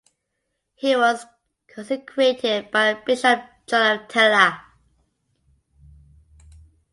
He was consecrated by the bishop John of Tella.